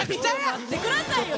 待って下さいよ